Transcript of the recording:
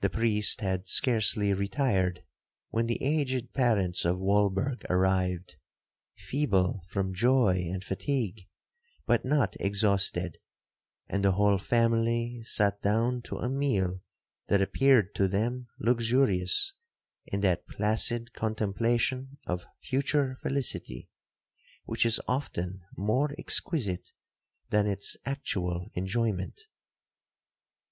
The priest had scarcely retired, when the aged parents of Walberg arrived, feeble from joy and fatigue, but not exhausted, and the whole family sat down to a meal that appeared to them luxurious, in that placid contemplation of future felicity, which is often more exquisite than its actual enjoyment.